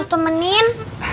nanti aku temenin